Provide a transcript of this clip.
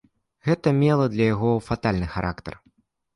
Гэта мела для яго фатальны характар.